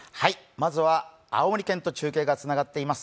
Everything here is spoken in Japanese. まずは青森県と中継がつながっています。